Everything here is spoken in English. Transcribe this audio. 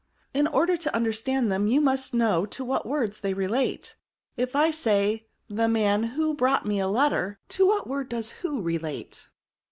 In order to understand them, you must know to what words they relate* If I say, the man who brought me a letter, to what word does who relate